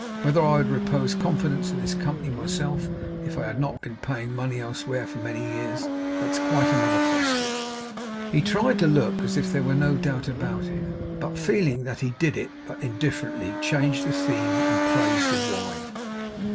Whether I would repose confidence in this company myself, if I had not been paying money elsewhere for many years that's quite another question.' He tried to look as if there were no doubt about it; but feeling that he did it but indifferently, changed the theme and praised the wine.